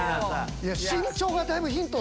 身長がだいぶヒント。